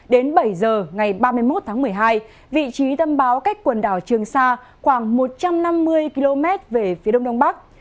đến bảy h ngày ba mươi một một mươi hai vị trí tâm áp thấp nhiệt đới cách quần đảo trường sa khoảng một trăm năm mươi km về phía đông đông bắc